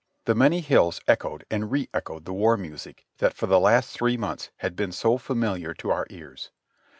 The many hills echoed and re echoed the war music that for the last three months had been so familiar to our ears.